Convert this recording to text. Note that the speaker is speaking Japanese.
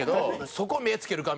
そこ目付けるか？